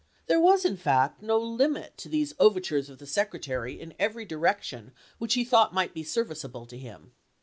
There was, in fact, no limit saim'oi"p. to these overtures of the Secretary in every direc p.^71.' tion which he thought might be serviceable to him.